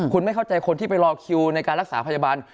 คุณไม่เข้าใจคนที่ไปรอคิวในการรักษาพยาบาล